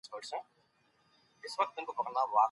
جګړه د بشریت په ژوند کې یوه ترخه تجربه ده.